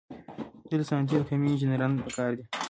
دلته صنعتي او کیمیاوي انجینران پکار دي.